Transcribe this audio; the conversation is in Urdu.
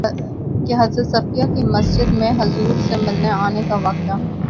کہ حضرت صفیہ کے مسجد میں حضور سے ملنے آنے کا واقعہ